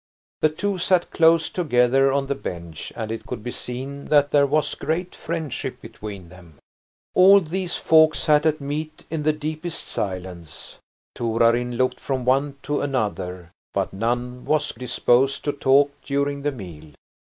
The two sat close together on the bench, and it could be seen that there was great friendship between them. All these folk sat at meat in the deepest silence. Torarin looked from one to another, but none was disposed to talk during the meal.